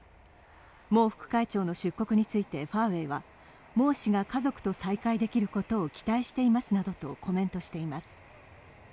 孟副会長の出国についてファーウェイは孟氏が家族と再会できることを期待していますなどとコメントしています。